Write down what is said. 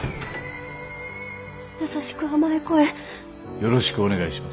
よろしくお願いします。